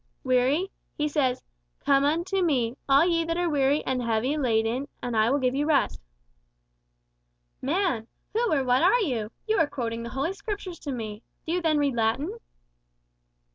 Weary? He says, 'Come unto me, all ye that are weary and heavy laden, and I will give you rest!'" "Man! who or what are you? You are quoting the Holy Scriptures to me. Do you then read Latin?"